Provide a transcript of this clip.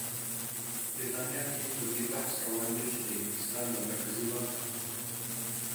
بریتانیا کې پر دې بحث روان دی چې د انګلستان د مرکزي بانک